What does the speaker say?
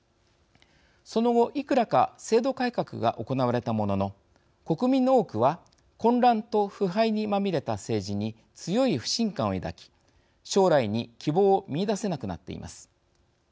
その後、いくらか制度改革が行われたものの国民の多くは混乱と腐敗にまみれた政治に強い不信感を抱き将来に希望を見いだせなくなっています。